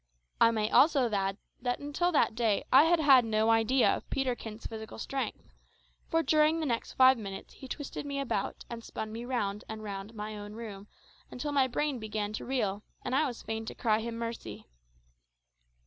I may also add that until that day I had had no idea of Peterkin's physical strength; for during the next five minutes he twisted me about and spun me round and round my own room until my brain began to reel, and I was fain to cry him mercy.